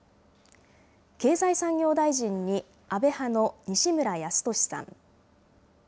経済産業大臣に安倍派の西村康稔さん。